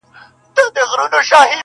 منم چي ټولو سردونو کي به ځان ووينم_